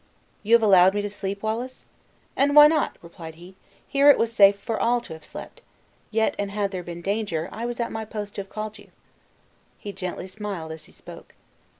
"You have allowed me to sleep, Wallace?" "And why not?" replied he. "Here it was safe for all to have slept. Yet had there been danger, I was at my post to have called you." He gently smiled as he spoke.